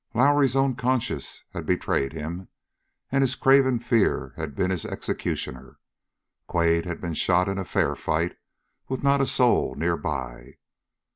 Lowrie's own conscience had betrayed him, and his craven fear had been his executioner. Quade had been shot in a fair fight with not a soul near by.